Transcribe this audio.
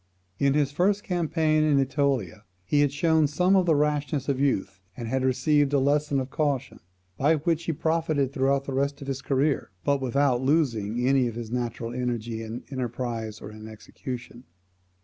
In his first campaign in AEtolia he had shown some of the rashness of youth, and had received a lesson of caution, by which he profited throughout the rest of his career, but without losing any of his natural energy in enterprise or in execution.